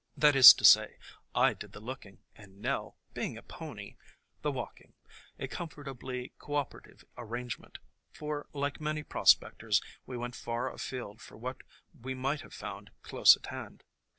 That is to say, I did the looking and Nell, being a pony, the walking, a comfortably cooperative arrangement, for like many prospectors we went far afield for what we might have found close at hand.